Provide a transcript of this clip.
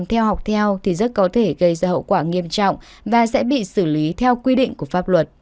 theo học theo thì rất có thể gây ra hậu quả nghiêm trọng và sẽ bị xử lý theo quy định của pháp luật